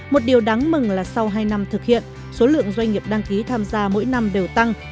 một điều đáng mừng là sau hai năm thực hiện số lượng doanh nghiệp đăng ký tham gia mỗi năm đều tăng